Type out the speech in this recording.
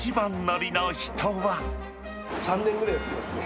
３年くらいは来てますね。